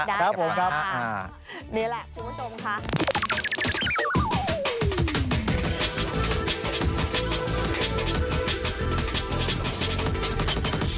ได้ครับนี้แหละสุดมาชมค่ะได้ครับ